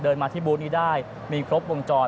เดินมาที่บูธนี่ได้มีครบลงจอด